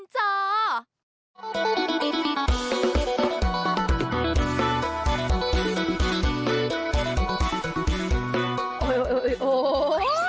จ๊ะจ๊ะริมจ่อ